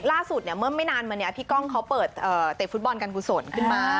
ล่าสุดเนี่ยเมื่อไม่นานมาเนี่ยพี่ก้องเขาเปิดเตะฟุตบอลการกุศลขึ้นมา